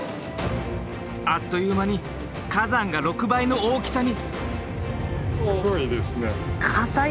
あっという間に火山が６倍の大きさに！